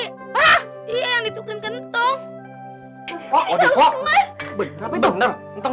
dia yang ditukerin kentong